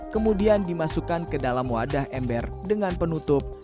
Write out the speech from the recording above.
kemudian dimasukkan ke dalam wadah ember dengan penutup